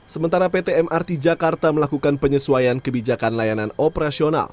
sementara pt mrt jakarta melakukan penyesuaian kebijakan layanan operasional